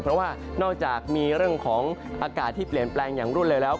เพราะว่านอกจากมีเรื่องของอากาศที่เปลี่ยนแปลงอย่างรวดเร็วแล้ว